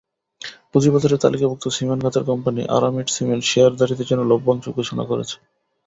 পুঁজিবাজারে তালিকাভুক্ত সিমেন্ট খাতের কোম্পানি আরামিট সিমেন্ট শেয়ারধারীদের জন্য লভ্যাংশ ঘোষণা করেছে।